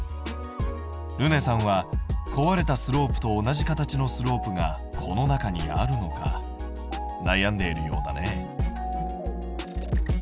るねさんは壊れたスロープと同じ形のスロープがこの中にあるのか悩んでいるようだね。